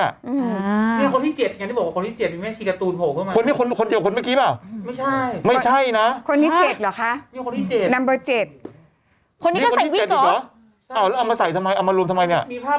นี่คนที่เจ็ดคนที่เจ็ดมีแม้ความชายการ์ตูนหูกก็มัน